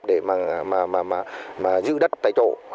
để giữ đất tại chỗ